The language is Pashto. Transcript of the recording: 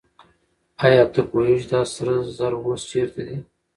آیا ته پوهېږې چې دا سره زر اوس چېرته دي؟